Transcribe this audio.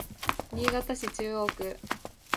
新潟市中央区